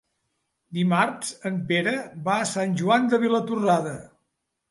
Dimarts en Pere va a Sant Joan de Vilatorrada.